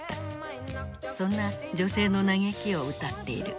そんな女性の嘆きを歌っている。